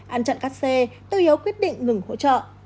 ăn chặn các xe tô hiếu quyết định ngừng hỗ trợ